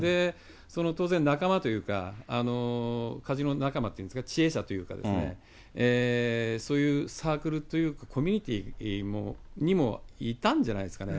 その当然、仲間というか、カジノ仲間っていうんですか、知恵者というか、そういうサークルというか、コミュニティーにもいたんじゃないですかね。